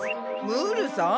ムールさん？